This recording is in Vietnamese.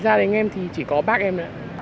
gia đình em thì chỉ có bác em